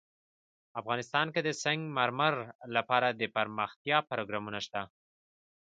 افغانستان کې د سنگ مرمر لپاره دپرمختیا پروګرامونه شته.